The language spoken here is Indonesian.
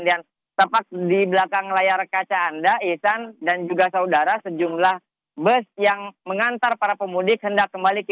dan tepat di belakang layar kaca anda esan dan juga saudara sejumlah bus yang mengantar para pemudik hendak kembali ke ibu kota